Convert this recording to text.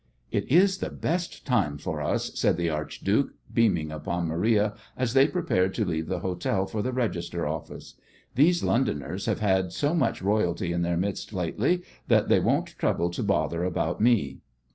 "It is the best time for us," said the archduke, beaming upon Maria as they prepared to leave the hotel for the register office. "These Londoners have had so much royalty in their midst lately that they won't trouble to bother about me."